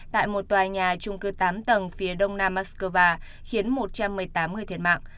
tại một tòa nhà trung cư tám tầng phía đông nam moscow khiến một trăm một mươi tám người thiệt mạng